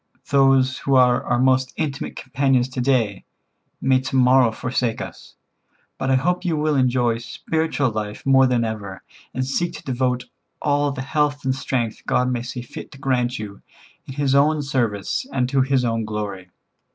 Those who are our most intimate companions to day may to morrow forsake us. But I hope you will enjoy spiritual life more than ever, and seek to devote all the health and strength God may see fit to grant you, in His own service and to His own glory.